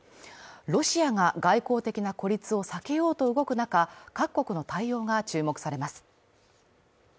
ロシアが外交的な孤立を避けようと動くなか各国の対応が注目されます。